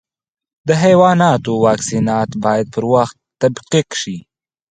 د حیواناتو واکسینات باید پر وخت تطبیق شي.